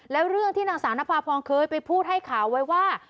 แล้วเรื่องที่นางสาวนภาพรเคยไปพูดให้ข่าวไว้ว่า